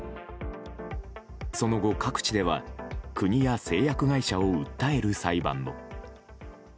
その後、各地では国や製薬会社を訴える裁判も。